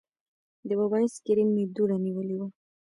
د موبایل سکرین مې دوړه نیولې وه.